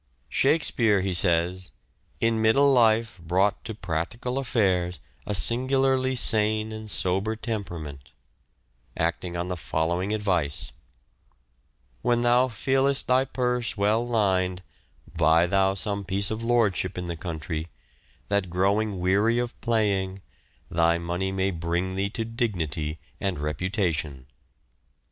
" Shakespeare," he says, " in middle life brought to practical affairs a singularly sane and sober tempera ment," acting on the following advice, "' when thou feelest thy purse well lined buy thou some piece of lordship in the country, that growing weary of playing, thy money may bring thee to dignity and reputation.'